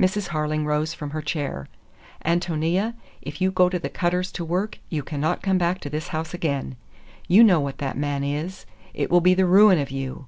Mrs. Harling rose from her chair. "Ántonia, if you go to the Cutters to work, you cannot come back to this house again. You know what that man is. It will be the ruin of you."